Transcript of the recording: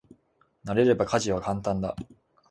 慣れれば家事は簡単だ。